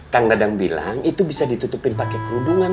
tang dadang bilang itu bisa ditutupin pake kerudungan